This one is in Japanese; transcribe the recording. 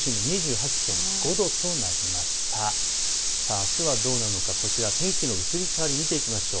あすはどうなのか、こちら天気の移り変わりで見ていきましょう。